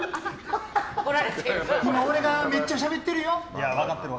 今、俺がめっちゃしゃべってるよ。